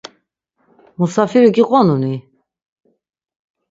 Musafiri giqonuni?